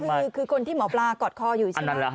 คือคนที่หมอปลากอดคออยู่ใช่ไหม